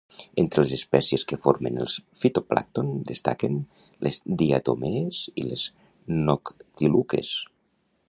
Entre les espècies que formen els fitoplàncton, destaquen les diatomees i les noctiluques